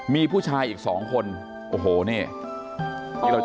มีผู้ชายอีกสองคนโอ้โหเนี่ย